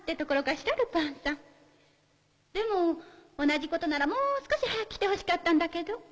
でも同じことならもう少し早く来てほしかったんだけど。